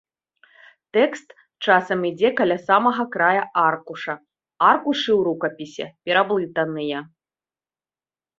Тэкст часам ідзе каля самага края аркуша, аркушы ў рукапісе пераблытаныя.